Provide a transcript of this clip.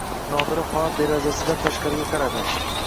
Nodir xona derazasidan tashqariga qaradi.